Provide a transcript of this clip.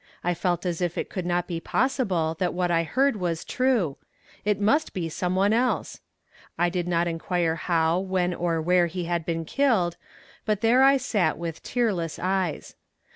I felt as if it could not be possible that what I heard was true. It must be some one else. I did not inquire how, when or where he had been killed, but there I sat with tearless eyes.